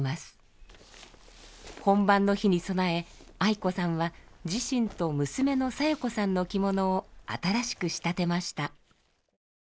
本番の日に備え愛子さんは自身と娘の小夜子さんの着物を新しく仕立てました。